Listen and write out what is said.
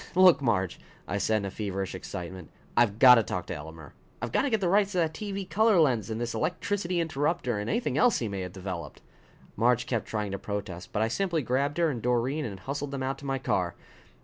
"Look, Marge!" I said in feverish excitement. "I've got to talk to Elmer! I've got to get the rights to that TV color lens and this electricity interruptor and anything else he may have developed!" Marge kept trying to protest, but I simply grabbed her and Doreen and hustled them out to my car.